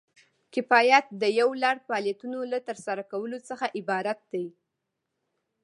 کفایت د یو لړ فعالیتونو له ترسره کولو څخه عبارت دی.